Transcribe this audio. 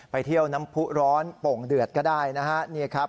ไปเที่ยวน้ำผู้ร้อนโป่งเดือดก็ได้นะฮะ